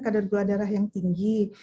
kadar gula darah yang tinggi